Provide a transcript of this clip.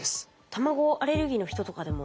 卵アレルギーの人とかでも。